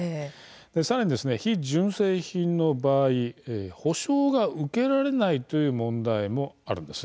さらに非純正品の場合補償が受けられないという問題もあるんです。